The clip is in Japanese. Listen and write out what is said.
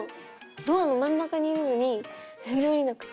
ドアの真ん中にいるのに全然降りなくて。